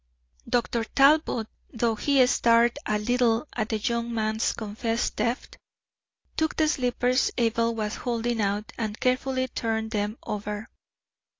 Dr. Talbot, though he stared a little at the young man's confessed theft, took the slippers Abel was holding out and carefully turned them over.